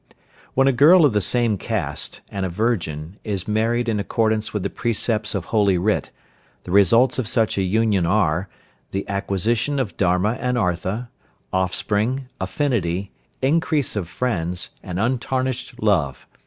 When a girl of the same caste, and a virgin, is married in accordance with the precepts of Holy Writ, the results of such an union are: the acquisition of Dharma and Artha, offspring, affinity, increase of friends, and untarnished love.